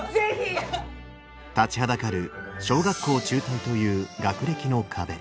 立ちはだかる小学校中退という学歴の壁。